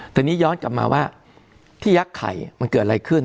แต่นี่ย้อนกลับมาว่าที่ยักษ์ไข่มันเกิดอะไรขึ้น